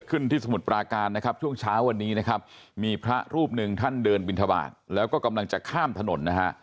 ที่สมุทรปราการนะครับช่วงเช้าวันนี้นะครับมีพระรูปหนึ่งท่านเดินบินทบาทแล้วก็กำลังจะข้ามถนนนะฮะ